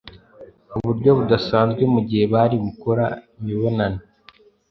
uburyo budasanzwe mu gihe bari gukora imibonano